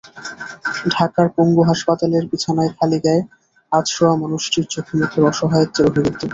ঢাকার পঙ্গু হাসপাতালের বিছানায় খালি গায়ে আধশোয়া মানুষটির চোখমুখের অসহায়ত্বের অভিব্যক্তি।